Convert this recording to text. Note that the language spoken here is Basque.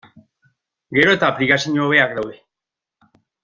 Gero eta aplikazio hobeak daude.